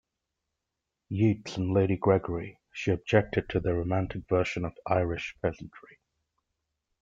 Yeats and Lady Gregory, she objected to their romantic version of Irish peasantry.